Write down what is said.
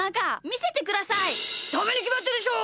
ダメにきまってるでしょ！